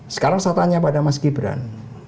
sekarang saya tanya pada mas gibran